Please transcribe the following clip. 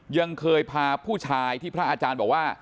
ยังเคยพาผู้ชายที่พระอาจารย์บอกว่า